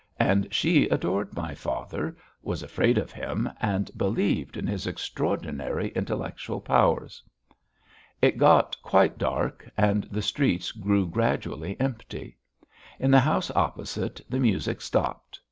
And she adored my father, was afraid of him, and believed in his extraordinary intellectual powers. It got quite dark and the street grew gradually empty. In the house opposite the music stopped.